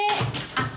・☎あっ。